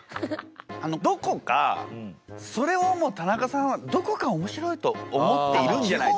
どこかそれをも田中さんはどこか面白いと思っているんじゃないですか？